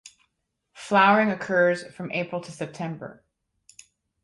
Flowering occurs from April to September.